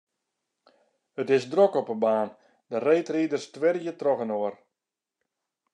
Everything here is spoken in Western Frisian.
It is drok op 'e baan, de reedriders twirje trochinoar.